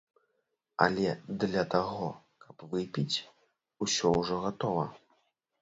Але для таго, каб выпіць, усё ўжо гатова.